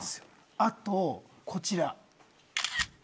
あとこちら。